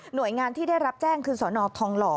โดยงานที่ได้รับแจ้งคือสนทองหล่อ